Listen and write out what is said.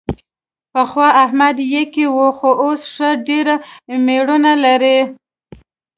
پخوا احمد یکه و، خو اوس ښه ډېر مېړونه لري.